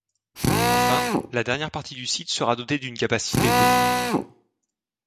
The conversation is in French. Enfin, la dernière partie du site sera dotée d’une capacité d'.